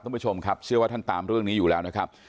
ท่านผู้ชมครับเชื่อว่าท่านตามเรื่องนี้อยู่แล้วนะครับ